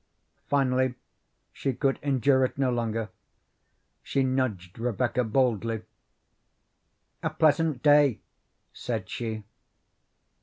Finally she could endure it no longer; she nudged Rebecca boldly. "A pleasant day," said she.